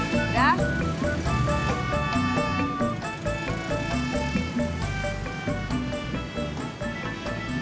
ya di johan